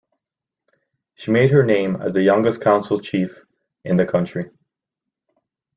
She made her name as the youngest council chief in the country.